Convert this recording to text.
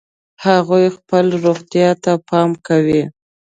هغوی خپلې روغتیا ته پام کوي